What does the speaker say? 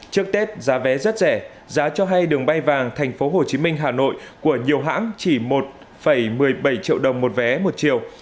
trước tết giá vé rất rẻ giá cho hay đường bay vàng thành phố hồ chí minh hà nội của nhiều hãng chỉ một một mươi bảy triệu đồng một vé một chiều